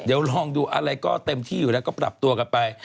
เดี๋ยวลองดูอะไรก็เต็มที่อยู่แล้วก็ปรับตัวกันไป